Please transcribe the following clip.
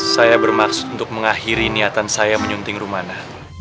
saya bermaksud untuk mengakhiri niatan saya menyunting rumahnya